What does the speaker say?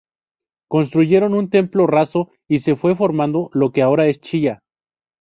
Construyeron un templo raso y se fue formando lo que ahora es Chilla.